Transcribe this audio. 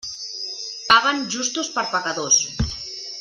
Paguen justos per pecadors.